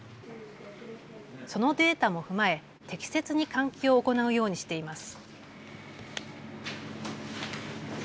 そのデータも踏まえ適切に換気を行うようにしています。